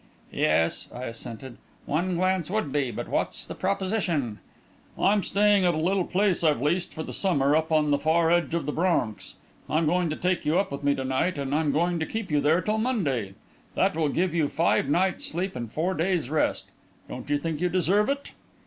"Yes," I assented; "one glance would be. But what's the proposition?" "I'm staying at a little place I've leased for the summer up on the far edge of the Bronx. I'm going to take you up with me to night and I'm going to keep you there till Monday. That will give you five nights' sleep and four days' rest. Don't you think you deserve it?"